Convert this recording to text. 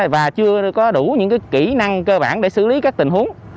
và chưa có đủ những kỹ năng cơ bản để xử lý các tình huống